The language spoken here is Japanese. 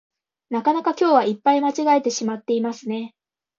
なかなか今日はいっぱい間違えてしまっていますね